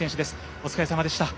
お疲れさまでした。